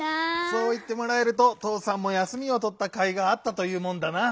そういってもらえるととうさんも休みをとったかいがあったというもんだな。